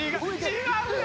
違うよ。